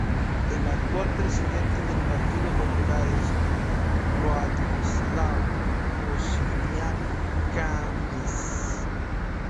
El actual presidente del Partido Popular es Władysław Kosiniak-Kamysz.